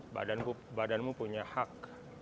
badanmu punya hak